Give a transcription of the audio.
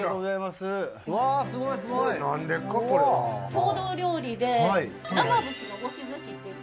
郷土料理で生ぶしの押しずしっていって。